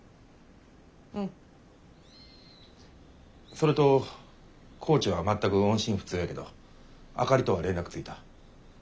それと高知は全く音信不通やけどあかりとは連絡ついた。